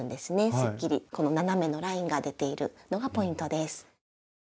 すっきりこの斜めのラインが出ているのがポイントです。